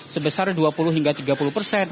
sebesar dua puluh hingga tiga puluh persen